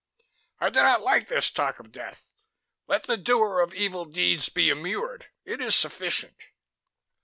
"I do not like this talk of death. Let the doer of evil deeds be immured; it is sufficient."